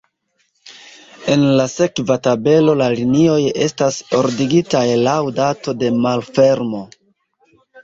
En la sekva tabelo la linioj estas ordigitaj laŭ dato de malfermo.